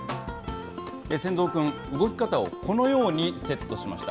千蔵くん、動き方をこのようにセットしました。